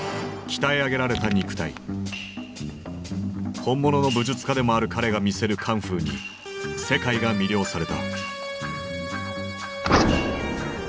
本物の武術家でもある彼が見せるカンフーに世界が魅了された。